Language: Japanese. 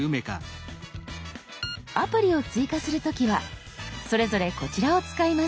アプリを追加する時はそれぞれこちらを使います。